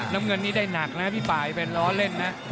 น้ำเงินนี้ได้หนักนะพี่ป่ายเป็นล้อเล่นนะ